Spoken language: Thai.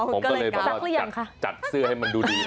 อ๋อก็เลยกลับเลยหรือยังคะผมก็เลยแบบว่าจัดเสื้อให้มันดูดีหน่อย